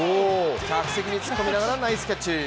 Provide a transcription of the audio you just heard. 客席に突っ込みながらナイスキャッチ。